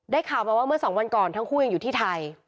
ข่าวมาว่าเมื่อสองวันก่อนทั้งคู่ยังอยู่ที่ไทย